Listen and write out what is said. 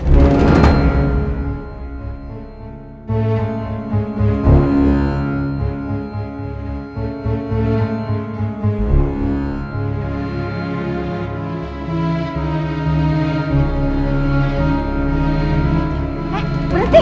kamu tinggalkan ibu kamu